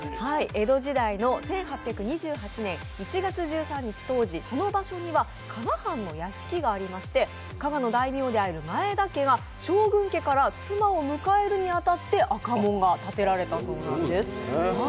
江戸時代の１８２８年１月１３日当時その場所には加賀藩の屋敷がありまして、加賀の大名である前田家が将軍家から妻を迎えるに当たって赤門が建てられたそうなんです。